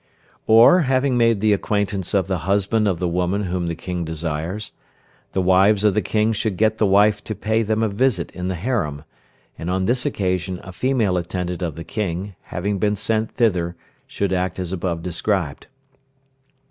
Or, having made the acquaintance of the husband of the woman whom the King desires, the wives of the King should get the wife to pay them a visit in the harem, and on this occasion a female attendant of the King, having been sent thither, should act as above described.